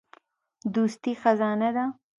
دوستي خزانه ده.